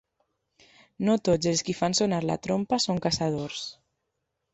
No tots els qui fan sonar la trompa són caçadors.